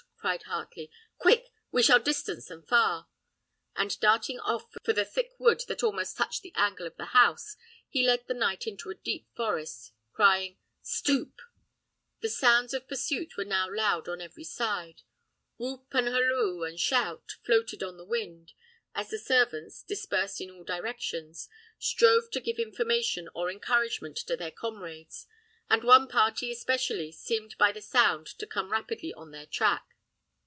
cried Heartley; "quick, we shall distance them far." And darting off for the thick wood that almost touched the angle of the house, he led the knight into a deep forest path, crying "Stoop!" The sounds of pursuit were now loud on every side. Whoop, and halloo, and shout, floated on the wind, as the servants, dispersed in all directions, strove to give information or encouragement to their comrades, and one party especially seemed by the sound to come rapidly on their track.